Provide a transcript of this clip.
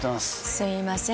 すいません